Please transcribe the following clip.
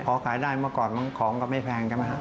พอขายได้เมื่อก่อนของก็ไม่แพงใช่ไหมครับ